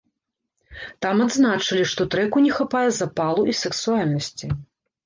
Там адзначылі, што трэку не хапае запалу і сэксуальнасці.